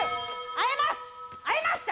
和えました。